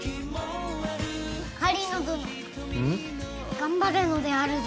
頑張るのであるぞ。